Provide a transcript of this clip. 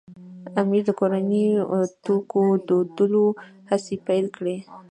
امیر د کورنیو توکو دودولو هڅې پیل کړې.